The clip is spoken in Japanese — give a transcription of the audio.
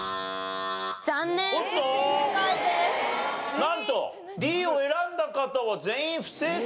なんとＤを選んだ方は全員不正解。